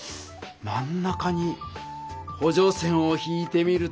真ん中にほ助線を引いてみるとどうかな？